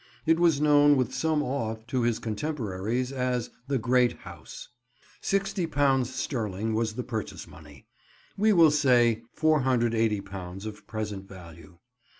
It was known, with some awe, to his contemporaries as "the great house." Sixty pounds sterling was the purchase money: we will say £480 of present value.